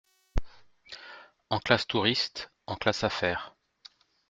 En classe touriste, en classe affaires…